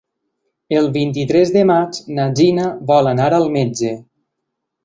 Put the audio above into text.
El vint-i-tres de maig na Gina vol anar al metge.